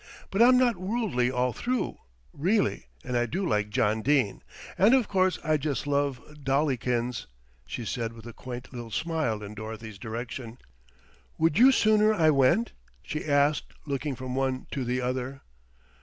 "But I'm not worldly all through, really, and I do like John Dene, and of course I just love Dollikins," she said with a quaint little smile in Dorothy's direction. "Would you sooner I went?" she asked, looking from one to the other.